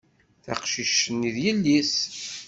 Taqcict-nni d yelli-s